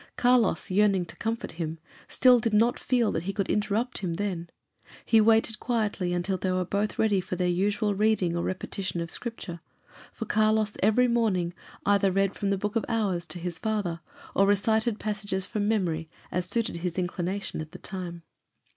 Carlos, yearning to comfort him, still did not feel that he could interrupt him then. He waited quietly until they were both ready for their usual reading or repetition of Scripture; for Carlos, every morning, either read from the Book of Hours to his father, or recited passages from memory, as suited his inclination at the time.